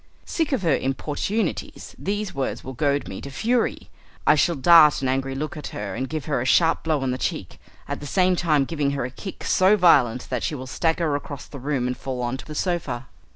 Sick of her importunities, these words will goad me to fury. I shall dart an angry look at her and give her a sharp blow on the cheek, at the same time giving her a kick so violent that she will stagger across the room and fall on to the sofa.